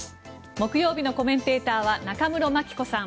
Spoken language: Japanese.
木曜日のコメンテーターは中室牧子さん